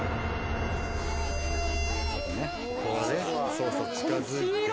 そうそう近づいて。